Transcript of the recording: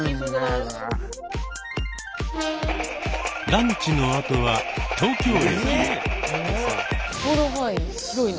ランチの後は東京駅へ。